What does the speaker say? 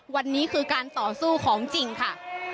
วันนี้คือการต่อสู้ของจริงค่ะ